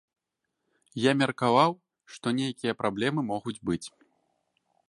Я меркаваў, што нейкія праблемы могуць быць.